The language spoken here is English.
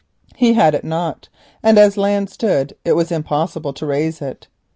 He had it not, and as land stood it was impossible to raise it.